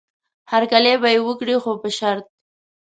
هرکلی به یې وکړي خو په شرط.